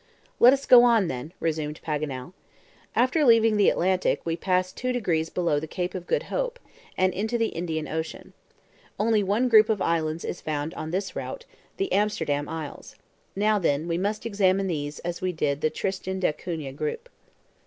"Let us go on then," resumed Paganel. "After leaving the Atlantic, we pass two degrees below the Cape of Good Hope, and into the Indian Ocean. Only one group of islands is found on this route, the Amsterdam Isles. Now, then, we must examine these as we did the Tristan d'Acunha group."